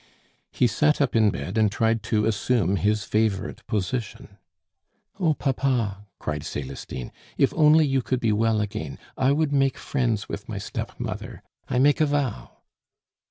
He sat up in bed and tried to assume his favorite position. "Oh, Papa!" cried Celestine, "if only you could be well again, I would make friends with my stepmother I make a vow!"